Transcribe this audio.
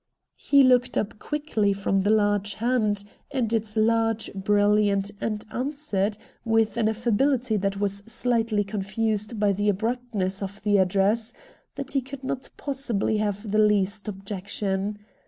He looked up quickly from the large hand and its large brilliant and answered, with an affability that was slightly confused by the abruptness of the address, that he could not possibly have the least objection.